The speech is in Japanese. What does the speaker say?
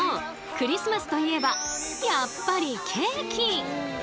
クリスマスといえばやっぱりケーキ！